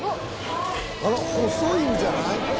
細いんじゃない？